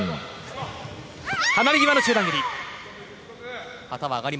離れ際の中段蹴り。